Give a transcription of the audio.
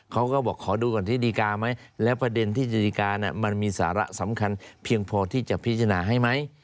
เขาก็บอกขอดูก่อนที่ดีการ์ไหมแล้วประเด็นที่ดีการมันมีสาระสำคัญเพียงพอที่จะพิจารณาให้ไหม